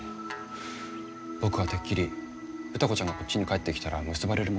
僕はてっきり歌子ちゃんがこっちに帰ってきたら結ばれるものだと。